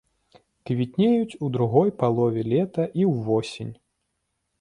Квітнеюць ў другой палове лета і ўвосень.